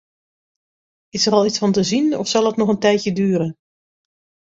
Is er al iets van te zien of zal het nog een tijdje duren?